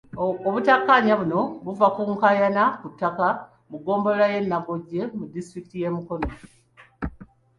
Obutakkaanya buno buva ku nkaayana ku ttaka mu ggombolola y'e Naggoje mu disitulikiti y'e Mukono.